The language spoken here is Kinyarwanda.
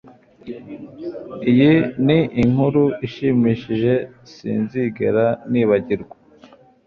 Iyi ni inkuru ishimishije sinzigera nibagirwa